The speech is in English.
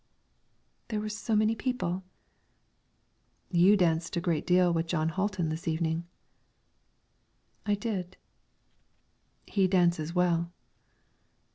"There were so many people." "You danced a great deal with Jon Hatlen this evening." "I did." "He dances well."